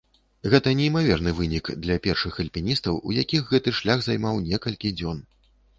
Гэта неймаверны вынік для першых альпіністаў, у якіх гэты шлях займаў некалькі дзён.